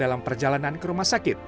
dia menemukan peluru di rumah sakit